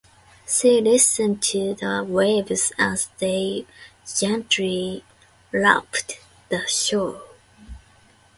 She listened to the waves as they gently lapped the shore.